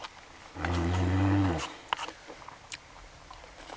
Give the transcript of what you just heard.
うん。